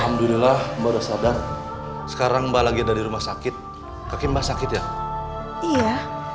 alhamdulillah mbak udah sadar sekarang mbak lagi ada di rumah sakit kaki mbah sakit ya iya